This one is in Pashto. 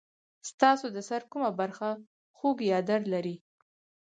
ستاسو د سر کومه برخه خوږ یا درد لري؟